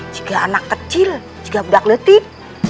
jika anak kecil juga beragletik